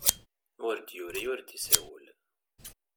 Ur d-yuri ur d-isawel.